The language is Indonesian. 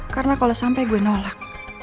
karena kalau sampai gue nolak